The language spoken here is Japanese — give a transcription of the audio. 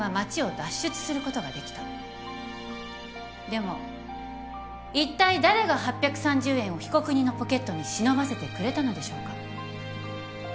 でもいったい誰が８３０円を被告人のポケットに忍ばせてくれたのでしょうか？